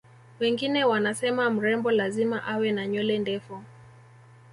wengine wanasema mrembo lazima awe na nywele ndefu